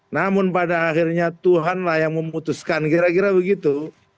namun pada akhirnya tuhan lah yang memutuskan kira kira begitu